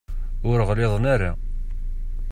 Ur ɣliḍen ara.